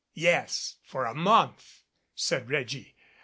"Yes for a month," said Reggie.